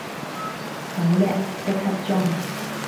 好叻，即刻裝